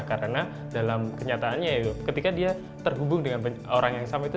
karena dalam kenyataannya ketika dia terhubung dengan orang yang sama